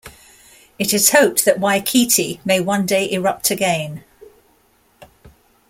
It is hoped that Waikite may one day erupt again.